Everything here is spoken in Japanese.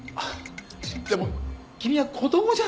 でも君は子供じゃないか。